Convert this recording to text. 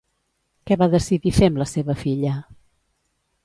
Què va decidir fer amb la seva filla?